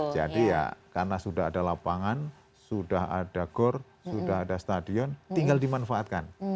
jadi ya karena sudah ada lapangan sudah ada gor sudah ada stadion tinggal dimanfaatkan